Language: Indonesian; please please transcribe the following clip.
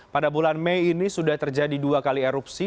pada bulan mei ini sudah terjadi dua kali erupsi